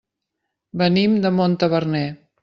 Venim de Montaverner.